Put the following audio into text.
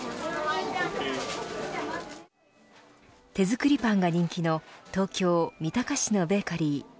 手作りパンが人気の東京、三鷹市のベーカリー。